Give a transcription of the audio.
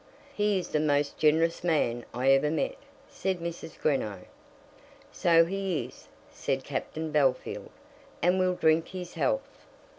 "He is the most generous man I ever met," said Mrs. Greenow. "So he is," said Captain Bellfield, "and we'll drink his health.